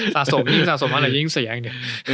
สะสมยิ่งสะสมแล้วยิ่งเสียอย่างเดี๋ยว